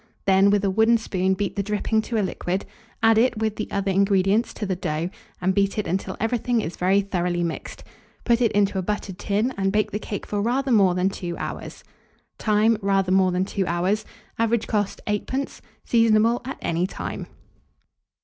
Then with a wooden spoon beat the dripping to a liquid; add it, with the other ingredients, to the dough, and beat it until everything is very thoroughly mixed. Put it into a buttered tin, and bake the cake for rather more than 2 hours. Time. Rather more than 2 hours. Average cost, 8d. Seasonable at any time.